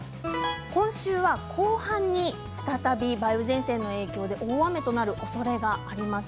今週は後半に再び梅雨前線の影響で大雨となるおそれがあります。